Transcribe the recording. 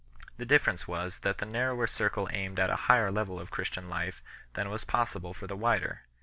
The difference was, that the nar rower circle aimed at a higher level of Christian life than was possible for the wider.